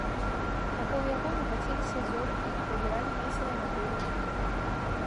Вакол яго мігацеліся зоркі і пазіралі весела на белую зямлю.